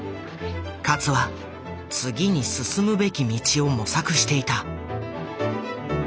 勝は次に進むべき道を模索していた。